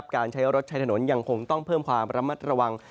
การใช้รถใช้ถนนยังคงต้องเพิ่มความระมัดระวัง